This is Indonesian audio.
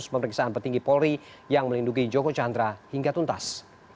pemeriksaan petinggi polri yang melindungi joko chandra hingga tuntas